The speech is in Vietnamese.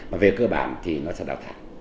mà về cơ bản thì nó sẽ đào thải